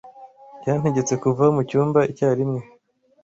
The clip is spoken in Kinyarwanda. Yantegetse kuva mu cyumba icyarimwe.